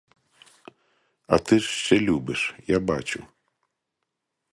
А ти ж ще любиш, я бачу.